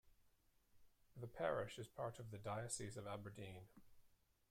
The Parish is part of the Diocese of Aberdeen.